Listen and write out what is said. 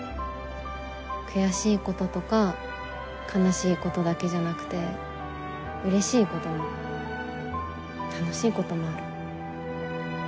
悔しいこととか悲しいことだけじゃなくてうれしいことも楽しいこともある。